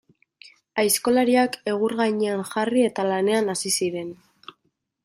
Aizkolariak egur gainean jarri, eta lanean hasi ziren.